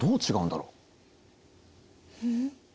うん？